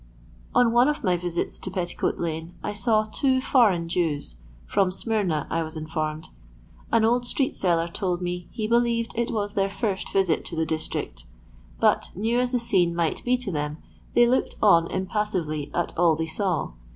On one of my visits to Petticoat lane I saw two foreign Jews — from Smyrna I was informed. An old street seller told me he believed it was their first visit to the district. But, new as the scene might be to them, they looked on impas sively at all they saw.